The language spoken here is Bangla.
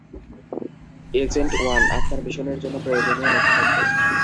এজেন্ট ওয়ান, আপনার মিশনের জন্য প্রয়োজনীয় নথিপত্র।